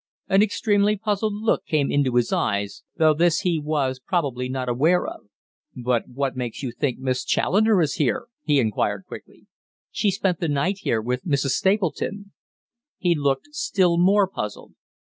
An extremely puzzled look came into his eyes, though this he was probably not aware of. "But what makes you think Miss Challoner is here?" he inquired quickly. "She spent the night here with Mrs. Stapleton." He looked still more puzzled.